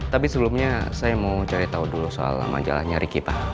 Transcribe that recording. tapi sebelumnya saya mau cari tahu dulu soal majalahnya riki pak